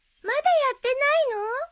まだやってないの？